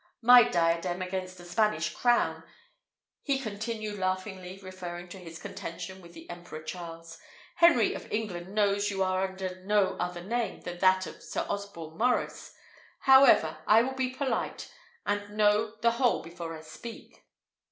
My diadem against a Spanish crown," he continued laughingly, referring to his contention with the Emperor Charles, "Henry of England knows you under no other name than that of Sir Osborne Maurice. However, I will be polite, and know the whole before I speak.